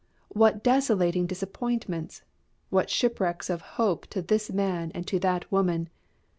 What desolating disappointments, what shipwrecks of hope to this man and to that woman!